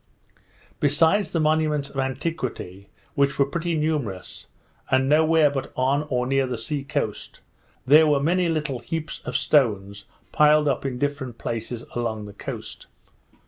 Besides the monuments of antiquity, which were pretty numerous, and no where but on or near the sea coast, there were many little heaps of stones, piled up in different places along the coast.